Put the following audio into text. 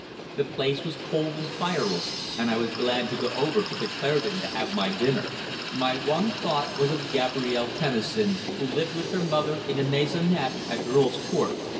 The place was cold and fireless, and I was glad to go over to the Claredon to have my dinner. My one thought was of Gabrielle Tennison, who lived with her mother in a maisonette at Earl's Court.